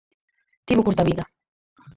Tivo curta vida.